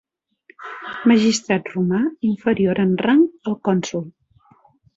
Magistrat romà inferior en rang al cònsol.